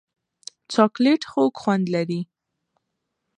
چاکلېټ خوږ خوند لري.